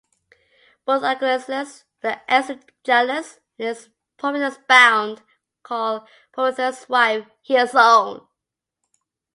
Both Acusilaus and Aeschylus in his "Prometheus Bound" call Prometheus' wife Hesione.